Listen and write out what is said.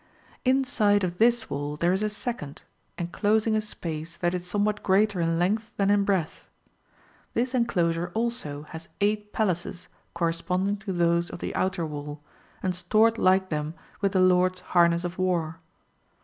^ Inside of this wall there is a second, enclosing a space that is somewhat greater in length than in breadth. This enclosure also has eight palaces corresponding to those of the outer wall, and stored like them with the Lord's harness of war.